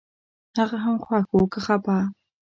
هغه که خوښ و که خپه